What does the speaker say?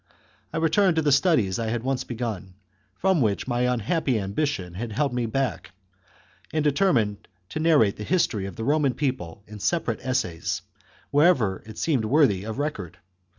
I returned to the studies I had once begun, from which my unhappy ambition had held me back, and determined to narrate the history of the Roman people in separate essays, wherever it seemed worthy of record.